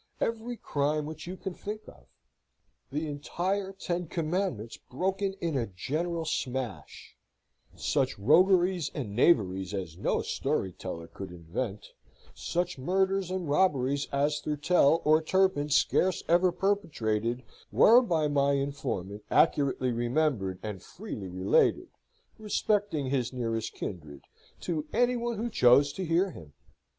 Every crime which you can think of; the entire Ten Commandments broken in a general smash; such rogueries and knaveries as no storyteller could invent; such murders and robberies as Thurtell or Turpin scarce ever perpetrated; were by my informant accurately remembered, and freely related, respecting his nearest kindred, to any one who chose to hear him.